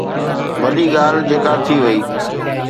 وڏي ڳالهه جيڪا ٿي وئي.